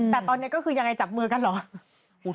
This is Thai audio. แต่ตอนนี้ก็คือยังไงจับมือกันเหรอ